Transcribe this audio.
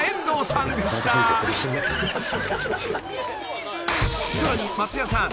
［さらに松也さん。